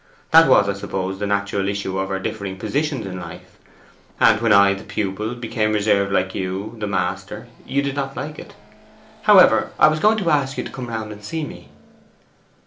That was, I suppose, the natural issue of our differing positions in life. And when I, the pupil, became reserved like you, the master, you did not like it. However, I was going to ask you to come round and see me.